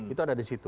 itu ada di situ